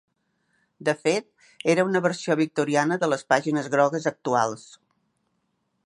De fet, era una versió victoriana de les pàgines grogues actuals.